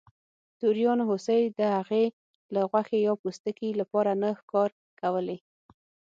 توریانو هوسۍ د هغې له غوښې یا پوستکي لپاره نه ښکار کولې.